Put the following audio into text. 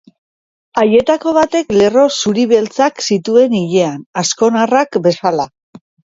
Haietako batek lerro zuri-beltzak zituen ilean, azkonarrak bezala.